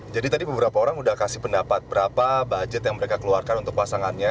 jadi tadi beberapa orang udah kasih pendapat berapa budget yang mereka keluarkan untuk pasangannya